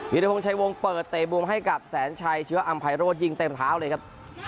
พงษ์วงเปิดเตะมุมให้กับแสนชัยเชื้ออำไพโรดยิงเต็มเท้าเลยครับ